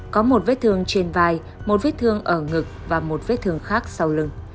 có một vết thương trên vai một vết thương ở ngực và một vết thương khác sau lưng